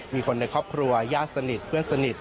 มีคนในครอบครัวญาติสนิทเพื่อนสนิท